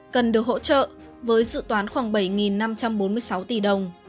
cần được hỗ trợ với dự toán khoảng bảy năm trăm bốn mươi sáu tỷ đồng